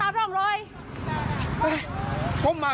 น่าเอาออกตีนะคน